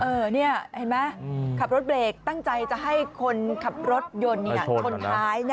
เห็นไหมขับรถเบรกตั้งใจจะให้คนขับรถยนต์ชนท้าย